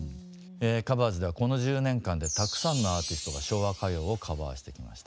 「カバーズ」ではこの１０年間でたくさんのアーティストが昭和歌謡をカバーしてきました。